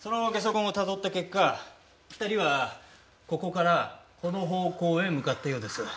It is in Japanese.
痕をたどった結果２人はここからこの方向へ向かったようです。